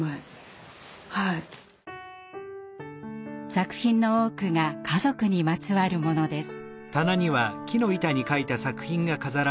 作品の多くが家族にまつわるものです。